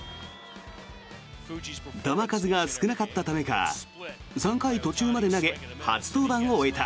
球数が少なかったためか３回途中まで投げ初登板を終えた。